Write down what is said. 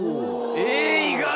えぇ意外！